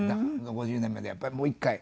５０年目でやっぱりもう１回。